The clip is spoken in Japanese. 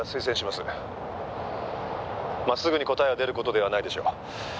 「まあすぐに答えは出る事ではないでしょう」